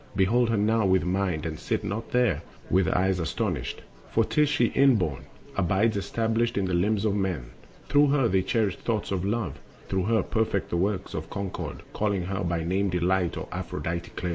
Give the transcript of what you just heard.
Behold her now with mind, and sit not there With eyes astonished, for 'tis she inborn Abides established in the limbs of men. Through her they cherish thoughts of love, through her Perfect the works of concord, calling her By name Delight or Aphrodite clear.